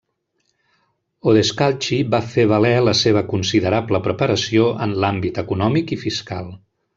Odescalchi va fer valer la seva considerable preparació en l'àmbit econòmic i fiscal.